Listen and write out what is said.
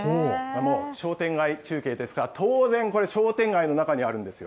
商店街中継ですから、当然これ、商店街の中にあるんですよ。